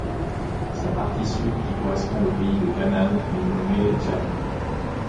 Sa partie sud qui correspond au pays de Canaan est nommée Djahy.